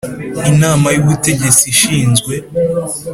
Inama y ubutegetsi ishinzwe